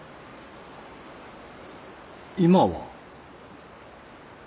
今は。